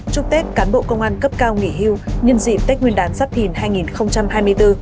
chúc tết cán bộ công an cấp cao nghỉ hưu nhân dịp tết nguyên đán giáp thìn hai nghìn hai mươi bốn